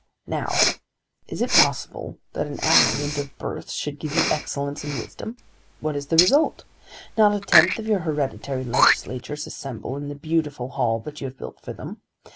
"Now is it possible that an accident of birth should give you excellence and wisdom? What is the result? Not a tenth of your hereditary legislators assemble in the beautiful hall that you have built for them.